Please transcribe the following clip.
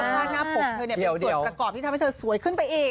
เสื้อผ้าหน้าปกเธอเนี่ยเป็นส่วนประกอบที่ทำให้เธอสวยขึ้นไปอีก